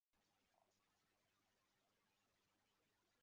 Umukobwa muto cyane ahagaze hanze yinyubako